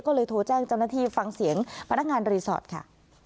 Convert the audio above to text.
ก็เลยโทรแจ้งเจ้าหน้าที่ฟังเสียงพนักงานรีสอร์ทค่ะ